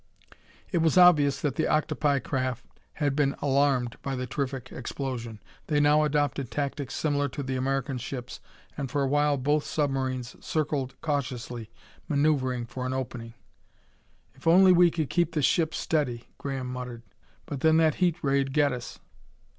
It was obvious that the octopi craft had been alarmed by the terrific explosion. They now adopted tactics similar to the American ship's, and for awhile both submarines circled cautiously, maneuvering for an opening. "If only we could keep the ship steady!" Graham muttered. "But then that heat ray'd get us!"